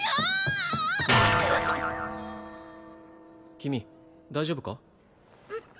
君大丈夫か？